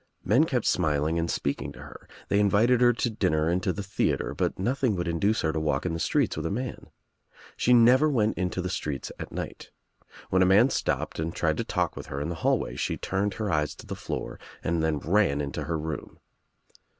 Men kept smiling and speaking to her. They invited her to dinner and to the theatre, but nothing would induce her to walk in the streets with a man. She never went into the streets at night. When a man stopped and tried to talk with her in the hallway she turned her eyes to the Hoor and then ran into her room.